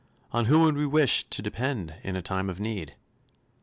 On whom would we wish to depend in a time of need?